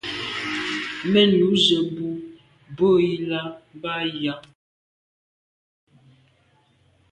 Mèn yub ze bo bwe i là b’a yà.